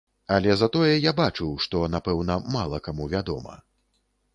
Але затое я бачыў, што, напэўна, мала каму вядома.